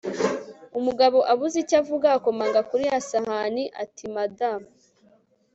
umugabo abuze icyo avuga akamanga kuri ya sahani atimada